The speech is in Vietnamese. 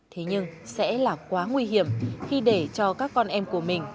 thế nhưng sẽ là quá nguy hiểm khi để cho các con em của mình